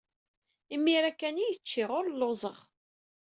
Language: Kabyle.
Imir-a kan ay cciɣ. Ur lluẓeɣ.